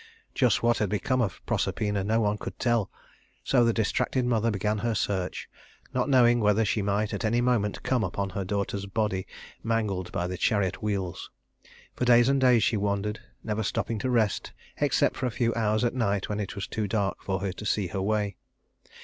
Just what had become of Proserpina no one could tell her; so the distracted mother began her search, not knowing whether she might at any moment come upon her daughter's body mangled by the chariot wheels. For days and days she wandered, never stopping to rest except for a few hours at night when it was too dark for her to see her way.